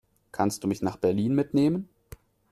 Kannst du mich nach Berlin mitnehmen?